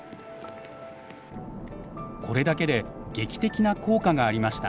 これだけで劇的な効果がありました。